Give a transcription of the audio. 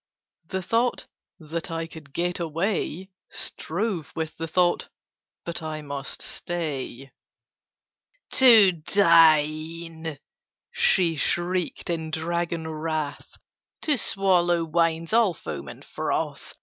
The thought "That I could get away!" Strove with the thought "But I must stay. "To dine!" she shrieked in dragon wrath. "To swallow wines all foam and froth!